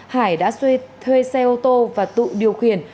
hải đã thuê xe ô tô và tụ điều khiển